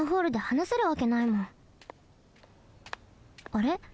あれ？